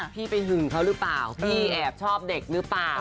พี่ไปหึงเขาหรือเปล่าพี่แอบชอบเด็กหรือเปล่า